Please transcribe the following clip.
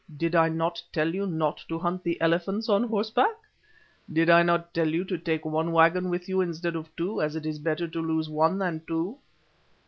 Did I not tell you not to hunt the elephants on horseback? Did I not tell you to take one waggon with you instead of two, as it is better to lose one than two?"